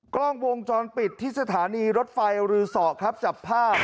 กล้องวงจรปิดที่สถานีรถไฟจับภาพ